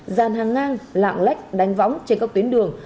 dàn hàng ngang lạng lách đánh võng trên các tuyến đường